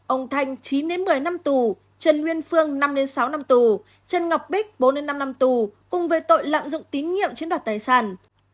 ông thanh chín một mươi năm tù trần nguyên phương năm sáu năm tù trần ngọc bích bốn năm năm tù cùng về tội lạm dụng tín nhiệm chiếm đoạt tài sản